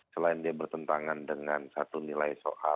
selain dia bertentangan dengan satu nilai soal